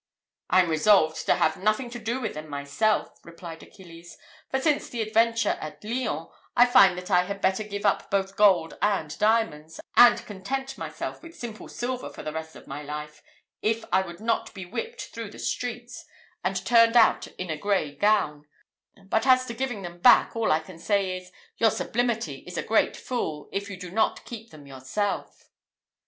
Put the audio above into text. "I am resolved to have nothing to do with them myself," replied Achilles; "for since the adventure at Lyons, I find that I had better give up both gold and diamonds, and content myself with simple silver for the rest of my life, if I would not be whipped through the streets, and turned out in a grey gown: but as to giving them back, all I can say is, your sublimity is a great fool, if you do not keep them yourself."